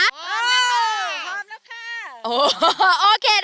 พร้อมแล้วค่ะ